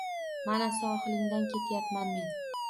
Mana, sohilingdan ketayapman men